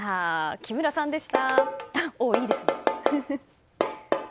木村さんでした。